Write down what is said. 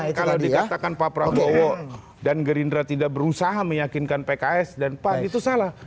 kalau dikatakan pak prabowo dan gerindra tidak berusaha meyakinkan pks dan pan itu salah